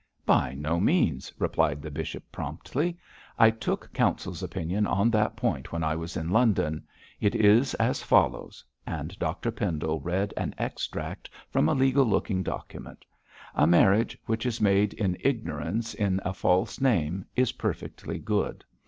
'By no means,' replied the bishop, promptly. 'I took counsel's opinion on that point when I was in London. It is as follows' and Dr Pendle read an extract from a legal looking document. '"A marriage which is made in ignorance in a false name is perfectly good.